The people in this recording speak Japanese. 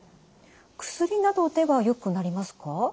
薬などではよくなりますか？